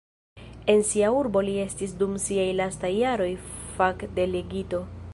En sia urbo li estis dum siaj lastaj jaroj fakdelegito.